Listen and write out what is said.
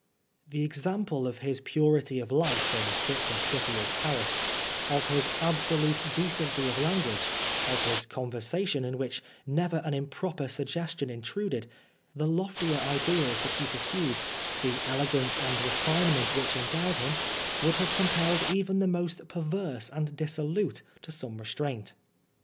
The example of his purity of life in such a city as Paris, of his absolute decency of language, of his conversation, in which never an improper suggestion intruded, the loftier ideals that he pursued, the elegance and refinement which endowed him, would have compelled even the most perverse and dissolute to some restraint.